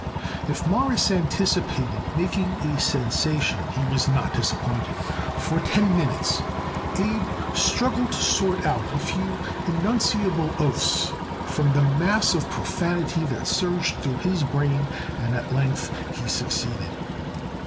If Morris anticipated making a sensation he was not disappointed. For ten minutes Abe struggled to sort out a few enunciable oaths from the mass of profanity that surged through his brain and at length he succeeded.